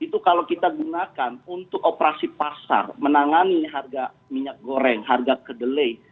itu kalau kita gunakan untuk operasi pasar menangani harga minyak goreng harga kedelai